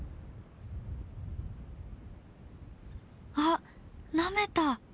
あっなめた！